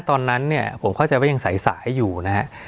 ตอนนั้นเนี่ยผมเข้าใจว่ายังสายอยู่นะฮะ